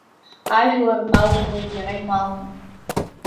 Ажәлар рмал ибеит иара ималны.